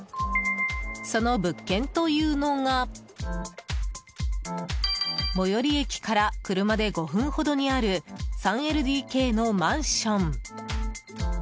その物件というのが最寄り駅から車で５分ほどにある３ＬＤＫのマンション。